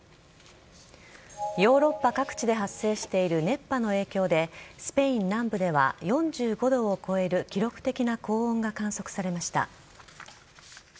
ヨーロッパ各地で発生している熱波の影響でスペイン南部では４５度を超える記録的な高温が観測されました。